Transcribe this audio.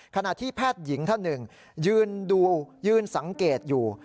ขณะที่แพทย์หญิงท่านหนึ่งยืนดูยืนสังเกตอยู่